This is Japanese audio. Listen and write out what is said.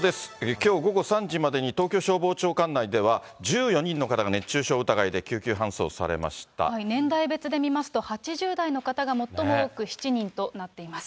きょう午後３時までに東京消防庁管内では１４人の方が熱中症疑い年代別で見ますと、８０代の方が最も多く７人となっています。